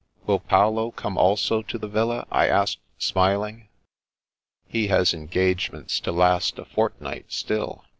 " Will Paolo come also to the villa ?" I asked, smiling. "He has engagements to last a fortnight still.